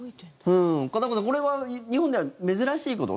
うーん、片岡さんこれは日本では珍しいこと？